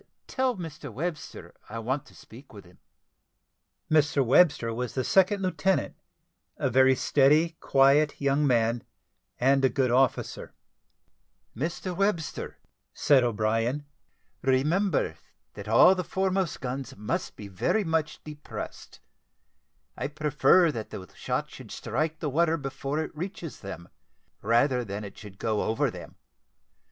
Tell Mr Webster I want to speak with him." Mr Webster was the second lieutenant, a very steady, quiet, young man, and a good officer. "Mr Webster," said O'Brien, "remember that all the foremost guns must be very much depressed. I prefer that the shot should strike the water before it reaches them, rather than it should go over them.